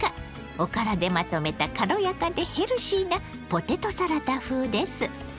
おからでまとめた軽やかでヘルシーなポテトサラダ風です。